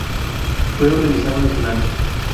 Fue organizado en Sudán.